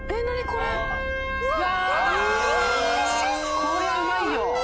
こりゃうまいよ！